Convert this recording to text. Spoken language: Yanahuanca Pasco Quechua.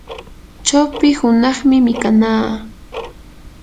chawpi hunaqmi mikanaa.